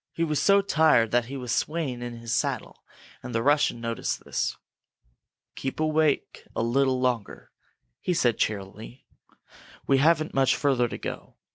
He was so tired that he was swaying in his saddle, and the Russian noticed this. "Keep awake a little longer," he said, cheerily. "We haven't very much further to go.